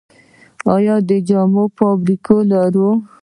آیا د جامو فابریکې لرو؟